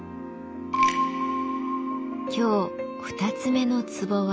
今日２つ目の壺は